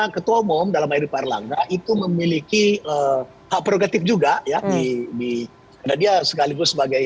ketua umum dalam air di parlangga itu memiliki haprogetif juga ya di dia sekaligus sebagai